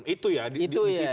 itu ya di situ